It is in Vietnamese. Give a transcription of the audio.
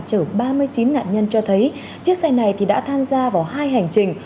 chở ba mươi chín nạn nhân cho thấy chiếc xe này đã tham gia vào hai hành trình